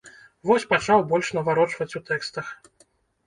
Вось пачаў больш наварочваць у тэкстах.